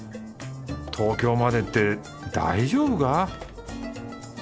東京までって大丈夫か？